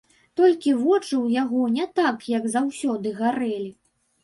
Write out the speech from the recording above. Толькі вочы ў яго не так, як заўсёды, гарэлі.